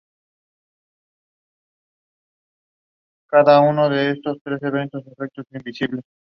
Part of the basin is in the proposed Natashquan River Valley Biodiversity Reserve.